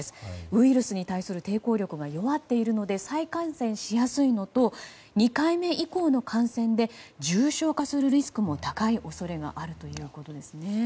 ウイルスに対する抵抗が弱っているので再感染しやすいのと２回目以降の感染で重症化するリスクも高い恐れがあるということですね。